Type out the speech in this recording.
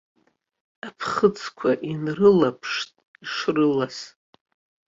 Аԥхыӡқәа инрылаԥшт ишрылаз.